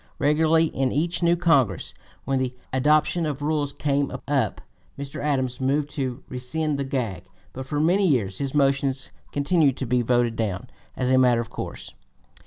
Regularly in each new Congress when the adoption of rules came up, Mr. Adams moved to rescind the "gag;" but for many years his motions continued to be voted down, as a (p. 251) matter of course.